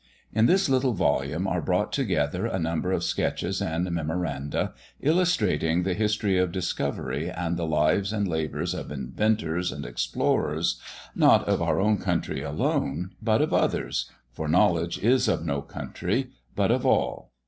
In this little volume are brought together a number of sketches and memoranda, illustrating the history of discovery, and the lives and labours of inventors and explorers, not of our own country alone, but of others for knowledge is of no country, but of all.